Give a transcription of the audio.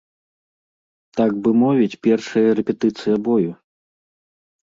Так бы мовіць першая рэпетыцыя бою.